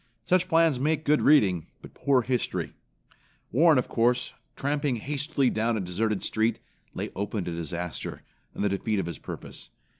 Such plans make good reading, but poor history. Warren, of course, tramping hastily down a deserted street, lay open to disaster, and the defeat of his purpose.